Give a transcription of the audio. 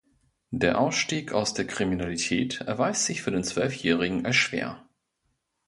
Der Ausstieg aus der Kriminalität erweist sich für den Zwölfjährigen als schwer.